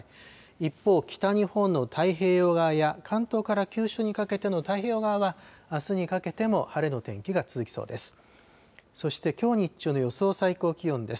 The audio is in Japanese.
一方、北日本の太平洋側や関東から九州にかけての太平洋側は、あすにかけても晴れの天気が続きそうです。